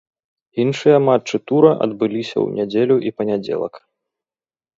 Іншыя матчы тура адбыліся ў нядзелю і панядзелак.